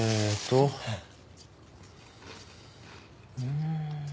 うん。